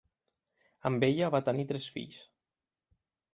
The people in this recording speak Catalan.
Amb ella va tenir tres fills.